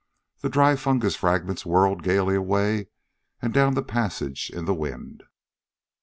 The dry fungus fragments whirled gaily away and down the passage in the wind.